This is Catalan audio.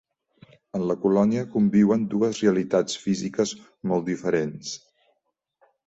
En la colònia conviuen dues realitats físiques molt diferents.